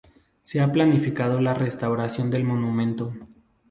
Se ha planificado la restauración del monumento.